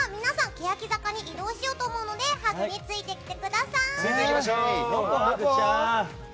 けやき坂に移動しようと思うのでハグについてきてください！